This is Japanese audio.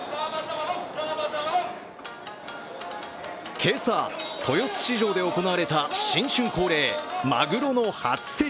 今朝、豊洲市場で行われた新春恒例、まぐろの初競り。